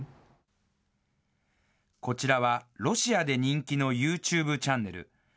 こちらはロシアで人気のユーチューブチャンネル。